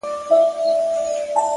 o د نوم له سيـتاره دى لـوېـدلى؛